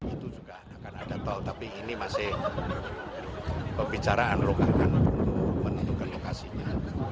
itu juga akan ada tol tapi ini masih pembicaraan untuk menentukan lokasinya